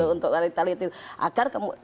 untuk tali tali itu